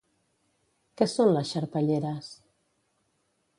Què són les Xarpelleres?